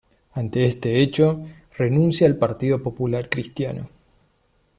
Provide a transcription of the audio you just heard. Ante este hecho, renuncia al Partido Popular Cristiano.